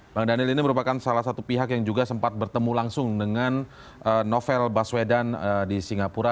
bang daniel ini merupakan salah satu pihak yang juga sempat bertemu langsung dengan novel baswedan di singapura